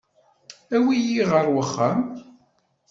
Awi-iyi ɣer uxxam.